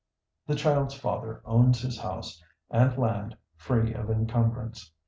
The child's father owns his house and land free of encumbrance.